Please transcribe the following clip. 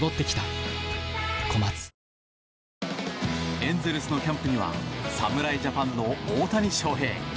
エンゼルスのキャンプには侍ジャパンの大谷翔平。